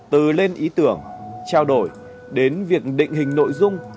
từ lên ý tưởng trao đổi đến việc định hình nội dung